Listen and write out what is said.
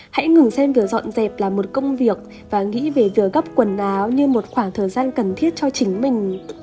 hãy ngừng xem việc dọn dẹp là một công việc và nghĩ về việc gấp quần áo như một khoảng thời gian cần thiết cho chính mình